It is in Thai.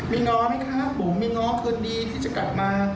ไม่ง้อไหมครับผมไม่ง้อคืนดีที่จะกลับมา